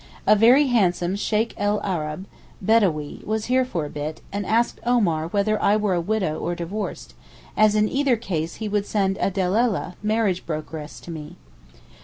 A very handsome Sheykh el Arab (Bedawee) was here for a bit, and asked Omar whether I were a widow or divorced, as in either case he would send a dellaleh (marriage brokeress) to me.